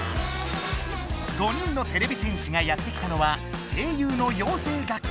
５人のてれび戦士がやって来たのは声優のようせい学校。